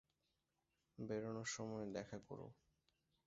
বেরোনোর সময় দেখা কোরো।